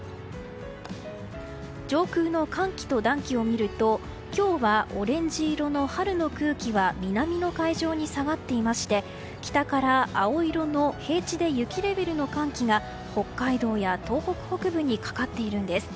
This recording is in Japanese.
上空の寒気と暖気を見ると今日はオレンジ色の春の空気は南の海上に下がっていまして北から青色の平地で雪レベルの寒気が北海道や東北北部にかかっているんです。